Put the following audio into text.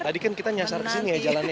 tadi kan kita nyasar di sini ya jalannya ya